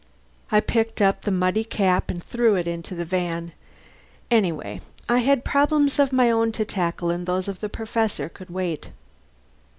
I picked up the muddy cap and threw it into the van. Anyway, I had problems of my own to tackle, and those of the Professor could wait.